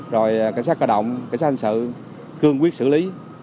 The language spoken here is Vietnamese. rồi cảnh sát cơ động cảnh sát hành sự cương quyết xử lý